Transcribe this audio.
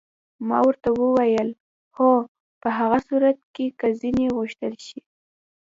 ما ورته وویل: هو، په هغه صورت کې که ځینې وغوښتل شي.